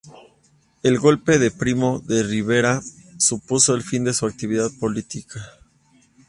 El golpe de Primo de Rivera supuso el fin de su actividad política.